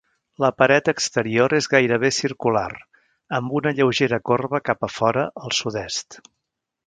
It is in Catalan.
La paret exterior és gairebé circular, amb una lleugera corba cap a fora al sud-est.